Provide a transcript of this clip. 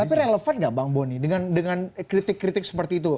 tapi relevan nggak bang boni dengan kritik kritik seperti itu